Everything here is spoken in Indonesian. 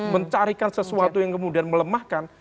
mencarikan sesuatu yang kemudian melemahkan